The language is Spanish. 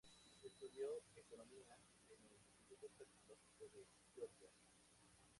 Estudió economía en el Instituto Tecnológico de Georgia.